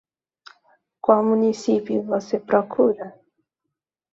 Qual município você procura?